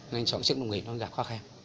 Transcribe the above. nên sản xuất đồng nghiệp nó gặp khó khăn